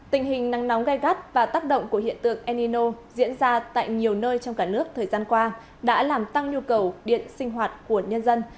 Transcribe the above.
tình hình nắng nóng gai gắt và tác động của hiện tượng enino diễn ra tại nhiều nơi trong cả nước thời gian qua đã làm tăng nhu cầu điện sinh hoạt của nhân dân